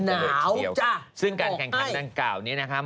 น้าวจ้ะบอกให้ซึ่งการแข่งขันต่างกล่าวนี้นะครับ